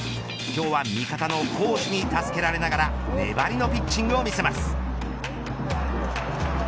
今日は味方の好守に助けられながら粘りのピッチングを見せます。